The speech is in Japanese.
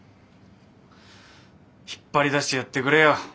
引っ張り出してやってくれよ